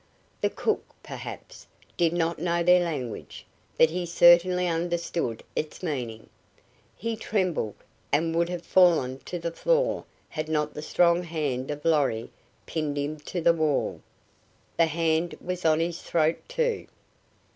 The cook, perhaps, did not know their language, but he certainly understood its meaning. He trembled, and would have fallen to the floor had not the strong hand of Lorry pinned him to the wall. The hand was on his throat, too.